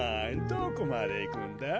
どこまでいくんだ？